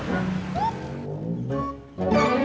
sampai ada dong